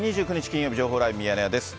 金曜日、情報ライブミヤネ屋です。